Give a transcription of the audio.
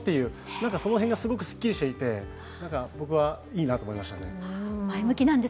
何かその辺がすごくすっきりしていて、僕はいいなと思いましたね。